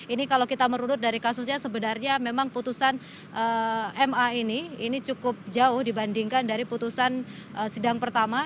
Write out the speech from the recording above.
ini kalau kita merunut dari kasusnya sebenarnya memang putusan ma ini ini cukup jauh dibandingkan dari putusan sidang pertama